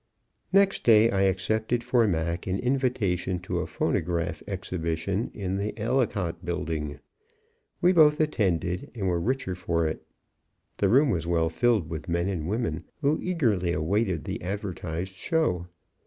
Next day I accepted for Mac an invitation to a phonograph exhibition in the Ellicott Building. We both attended and were richer for it. The room was well filled with men and women who eagerly awaited the advertised show.